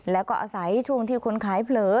แล้วก็อาศัยช่วงที่คนขายเผลอ